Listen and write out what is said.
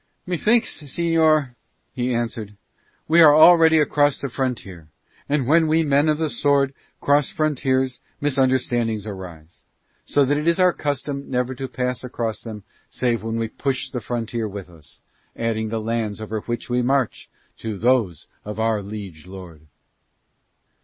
"Methinks, señor," he answered, "we are already across the frontier, and when we men of the sword cross frontiers misunderstandings arise, so that it is our custom never to pass across them save when we push the frontier with us, adding the lands over which we march to those of our liege lord."